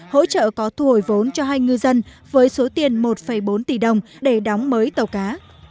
hỗ trợ có thu hồi vốn cho hai ngư dân với số tiền một bốn tỷ đồng để đóng mới tàu cá